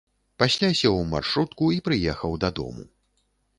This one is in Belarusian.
Пасля сеў у маршрутку і прыехаў дадому.